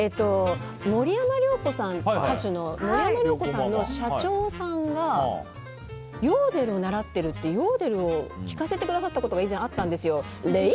歌手の森山良子さんの社長さんがヨーデルを習ってるってヨーデルを聴かせてくださったことが以前あるんです。